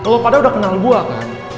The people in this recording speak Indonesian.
lo pada udah kenal gue kan